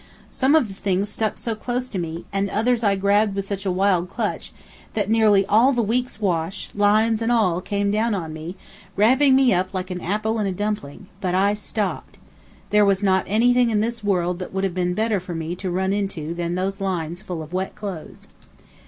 Some of the things stuck so close to me, and others I grabbed with such a wild clutch, that nearly all the week's wash, lines and all, came down on me, wrapping me up like an apple in a dumpling but I stopped. There was not anything in this world that would have been better for me to run into than those lines full of wet clothes.